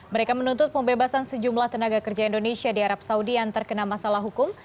mereka menuntut pembebasan sejumlah tenaga kerja indonesia di arab saudi yang terkena masalah hukum